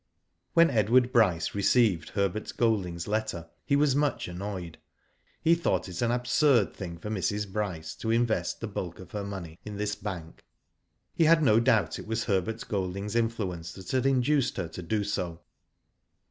'* When Edward Bryce received Herbert Golding's letter, he was much annoyed. He thought it an absurd thing for Mrs. Bryce to invest the bulk of her money in this bank. He had no doubt it was Herbert Golding's influence that had induced her to do so.